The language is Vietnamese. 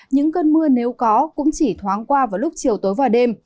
những cơn mưa nếu có cũng chỉ thoáng qua vào lúc chiều tối và đêm